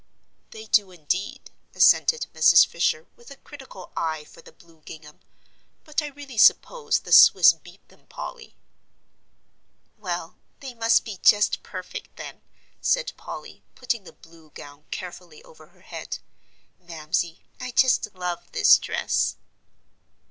"They do, indeed," assented Mrs. Fisher, with a critical eye for the blue gingham; "but I really suppose the Swiss beat them, Polly." "Well, they must be just perfect, then," said Polly, putting the blue gown carefully over her head. "Mamsie, I just love this dress."